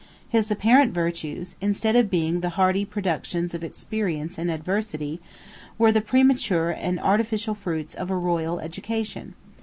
His apparent virtues, instead of being the hardy productions of experience and adversity, were the premature and artificial fruits of a royal education.